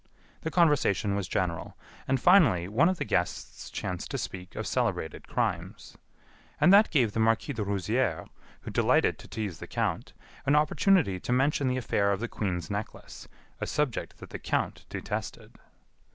The conversation was general, and finally one of the guests chanced to speak of celebrated crimes. And that gave the Marquis de Rouzières, who delighted to tease the count, an opportunity to mention the affair of the Queen's Necklace, a subject that the count detested.